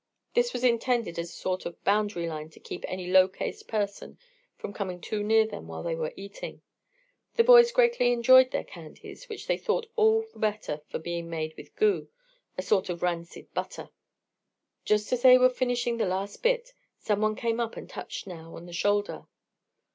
This was intended as a sort of a boundary line to keep any low caste person from coming too near them while they were eating. The boys greatly enjoyed their candies, which they thought all the better for being made with ghu, a sort of rancid butter. Just as they were finishing the last bit, some one came up and touched Nao on the shoulder.